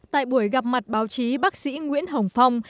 tại buổi gặp mặt báo chí bác sĩ nguyễn hồng phong